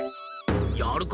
やるか！